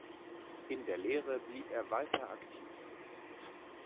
In der Lehre blieb er weiter aktiv.